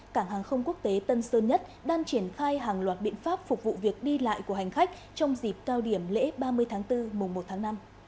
cảng hàng không quốc tế tân sơn nhất đang triển khai hàng loạt biện pháp phục vụ việc đi lại của hành khách trong dịp cao điểm lễ ba mươi tháng bốn mùa một tháng năm